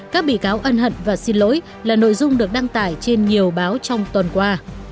các bị cáo ân hận và xin lỗi là nội dung được đăng tải trên nhiều báo trong tuần qua